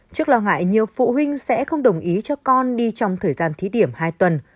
trước lo ngại nhiều phụ huynh sẽ không đồng ý cho con đi trong thời gian thí điểm hai tuần